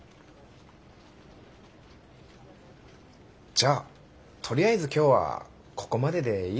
じゃあとりあえず今日はここまででいいですかね。